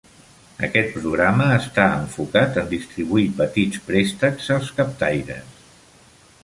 Aquest programa està enfocat en distribuir petits préstecs als captaires.